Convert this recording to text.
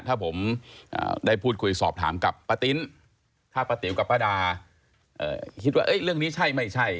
ถ้าผมได้พูดคุยสอบถามกับป้าติ้นถ้าป้าติ๋วกับป้าดาคิดว่าเรื่องนี้ใช่ไม่ใช่